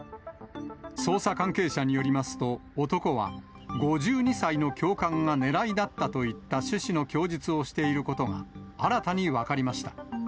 捜査関係者によりますと、男は、５２歳の教官が狙いだったといった趣旨の供述をしていることが、新たに分かりました。